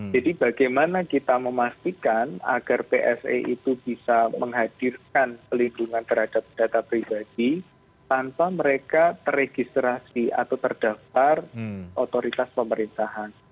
jadi bagaimana kita memastikan agar psa itu bisa menghadirkan pelindungan terhadap data pribadi tanpa mereka terregistrasi atau terdaftar otoritas pemerintahan